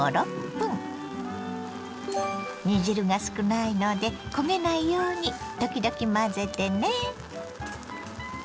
煮汁が少ないので焦げないように時々混ぜてね。